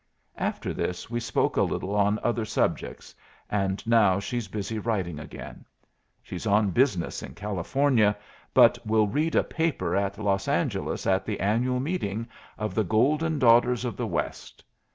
After this we spoke a little on other subjects, and now she's busy writing again. She's on business in California, but will read a paper at Los Angeles at the annual meeting of the Golden Daughters of the West.